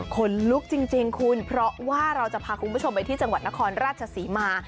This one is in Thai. ขนลุกจริงคุณเพราะว่าเราจะพาคุณผู้ชมไปที่จังหวัดนครราชศรีมา